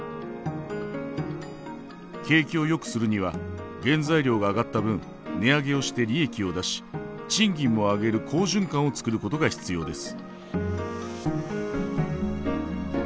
景気をよくするには原材料が上がった分値上げをして利益を出し賃金も上げる好循環を作ることが必要です。